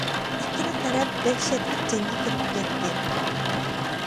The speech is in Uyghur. ئىككىلا تەرەپ دەھشەتلىك جەڭگە كىرىپ كەتتى.